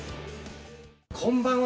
こんばんは。